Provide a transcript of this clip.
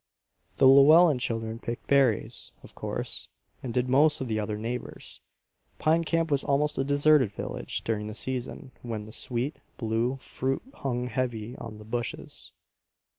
The Llewellen children picked berries, of course, as did most of the other neighbors. Pine Camp was almost a "deserted village" during the season when the sweet, blue fruit hung heavy on the bushes.